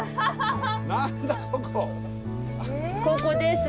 ここです。